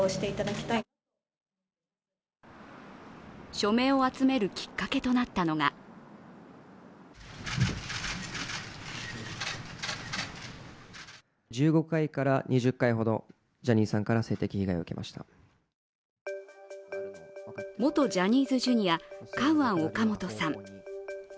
署名を集めるきっかけとなったのが元ジャニーズＪｒ．カウアン・オカモトさん。